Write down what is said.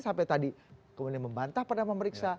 sampai tadi kemudian membantah pada pemeriksa